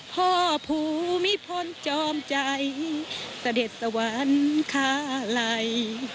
พ่อภูมิพลจอมใจเสด็จสวรรคาไหล